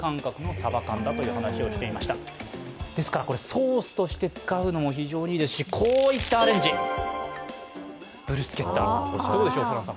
ソースとして使うのも非常にいいですし、こういったアレンジ、ブルスケッタどうでしょう、ホランさん。